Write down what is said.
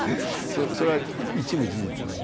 それは一部事実なので。